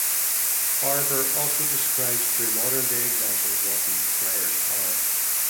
Barber also describes through modern day examples what these 'players' are.